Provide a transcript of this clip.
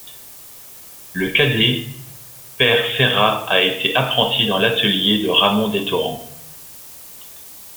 Le cadet, Pere Serra a été apprenti dans l'atelier de Ramon Destorrents.